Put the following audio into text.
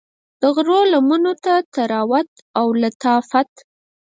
د غرو لمنو ته د طراوت او لطافت